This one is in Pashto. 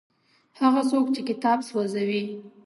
هغه څوک چې کتاب سوځوي.